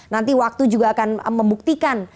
nanti waktu juga akan membuktikan